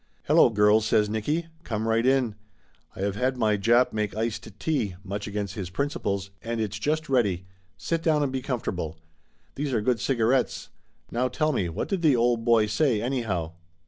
"Hello, girls !" says Nicky. "Come right in. I have had my Jap make iced tea much against his principles and it's just ready! Sit down and be comfortable. These are good cigarettes. Now tell me, what did the old boy say, anyhow?"